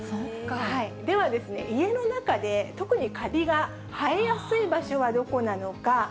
ではですね、家の中で、特にかびが生えやすい場所はどこなのか。